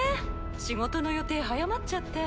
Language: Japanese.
仕事の予定早まっちゃって。